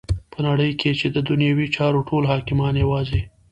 په نړی کی چی ددنیوی چارو ټول حاکمان یواځی